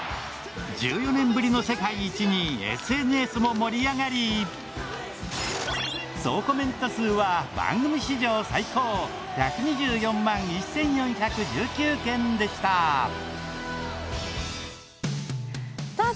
１４年ぶりの世界一にＳＮＳも盛り上がり総コメント数は番組史上最高１２４万１４１９件でしたさあ